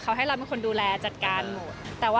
เขาให้เราเป็นคนดูแลจัดการหมด